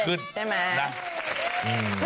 ขึ้นเลยใช่ไหมน่ะอืม